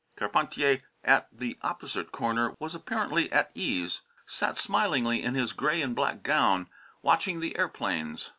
Carpentier, at the opposite corner, was apparently at ease; sat smilingly in his gray and black gown, watching the airplanes.